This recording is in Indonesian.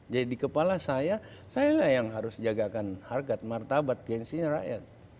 jadi di kepala saya saya lah yang harus jagakan harkat martabat gengsinya rakyat